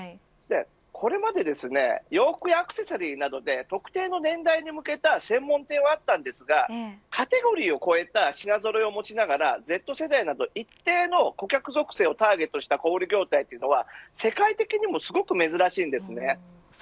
これまで洋服やアクセサリーなどで特定の年代に向けた専門性はありましたがカテゴリーを超えた品ぞろえを持ちながらＺ世代など一定の顧客属性をターゲットとした小売り業態は世界的にも、すごく珍しいです。